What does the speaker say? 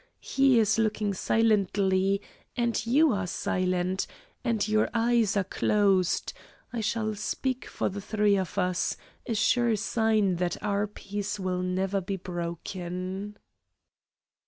He is looking silently, and You are silent, and Your eyes are closed I shall speak for the three of us, a sure sign that our peace will never be broken."